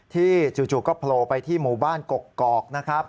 จู่ก็โผล่ไปที่หมู่บ้านกกอกนะครับ